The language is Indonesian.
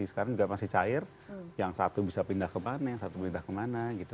sekarang juga masih cair yang satu bisa pindah kemana yang satu pindah kemana gitu